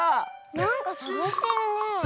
なんかさがしてるねえ。